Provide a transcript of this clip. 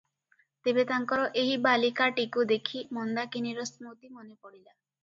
ତେବେ ତାଙ୍କର ଏହି ବାଳିକାଟିକୁ ଦେଖି ମନ୍ଦାକିନୀର ସ୍ମୃତି ମନେ ପଡ଼ିଲା ।